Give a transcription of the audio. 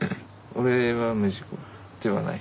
俺は無事故ではない。